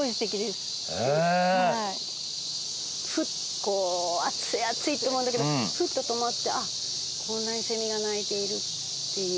こう暑い暑いと思うんだけどふと止まってあっこんなに蝉が鳴いているっていう。